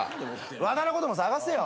和田のことも捜せよ。